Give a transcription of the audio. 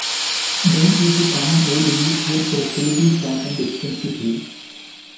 "Dun" is a common Old English word for a fairly flat and extensive hill.